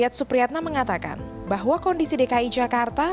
yayat supriyatna mengatakan bahwa kondisi dki jakarta